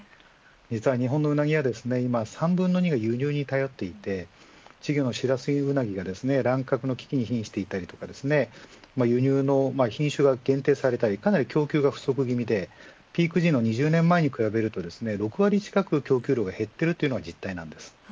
日本のうなぎは今３分の２が輸入に頼っていて稚魚のシラスウナギが乱獲の危機に瀕していたり輸入の品種が限定されたりかなり供給が不足気味でピーク時の２０年前に比べると６割近く供給量が減っているのが実態です。